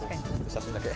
写真だけ。